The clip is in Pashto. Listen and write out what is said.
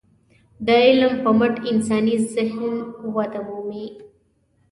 د علم په مټ انساني ذهن وده مومي.